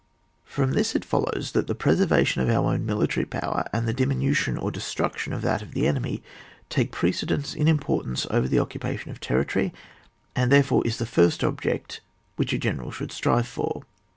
From this it follows that the preser vation of our own military power, and the diminution or destruction of that of the enemy, take precedence in importance over the occupation of territory, and, therefore, is ihefirei object which a general should strive for.